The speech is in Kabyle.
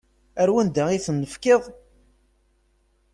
Ar wanda i ten-tefkiḍ?